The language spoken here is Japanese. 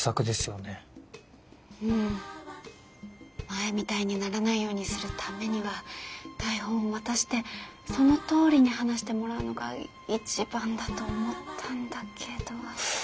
うん前みたいにならないようにするためには台本を渡してそのとおりに話してもらうのが一番だと思ったんだけど。